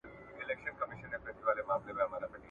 مایکرو فلم ریډر څنګه کار کوي؟